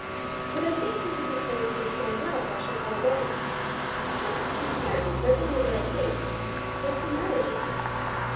But I think that if you told me to stand up I should fall down. I can't be certain; that's only what I think. What's the matter with me?"